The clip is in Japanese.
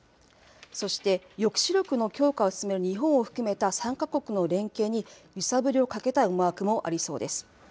そして、抑止力の強化を進める日本を含めた３か国の連携に揺さぶりをかけたい思惑もありそうです。